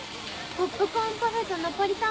ポップコーンパフェとナポリタン